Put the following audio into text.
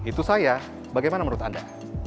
itu saya bagaimana menurut anda